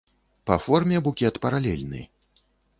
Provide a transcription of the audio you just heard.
Па форме букет паралельны.